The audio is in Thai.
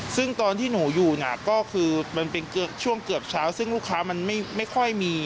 ซึ่งตอนที่หนูอยู่น่ะก็คือมันเป็นช่วงเกือบเช้าซึ่งลูกค้ามันไม่ค่อยมี